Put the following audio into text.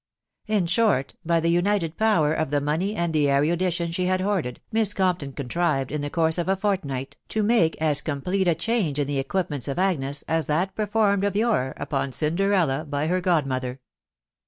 In sfcort, by the united power of the money and the eru dition she had hoarded, Miss Compton contrived, in the course of a fortnight, to make as complete a change in the equipments of Agnes as that performed of yore upon Cinderella by her god mother.